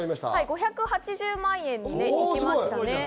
５８０万円に行きました。